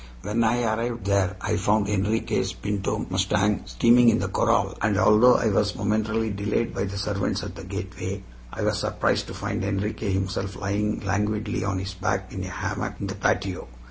When I arrived there I found Enriquez' pinto mustang steaming in the corral, and although I was momentarily delayed by the servants at the gateway, I was surprised to find Enriquez himself lying languidly on his back in a hammock in the patio.